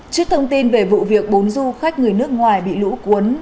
trước thông tin về vụ việc bốn du khách người nước ngoài bị lũ cuốn